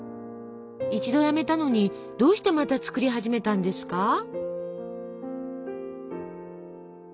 一度やめたのにどうしてまた作り始めたんですか？